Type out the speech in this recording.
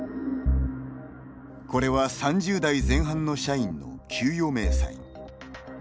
これは３０代前半の社員の給与明細。